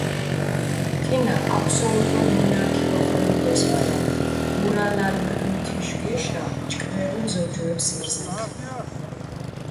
თინა აბსოლუტურ მონარქი გოხოლუდეს, მარა გურალალ რდუნ თიშ გეშა, ჭკვერულ ზოჯუეფს ირზენდჷ.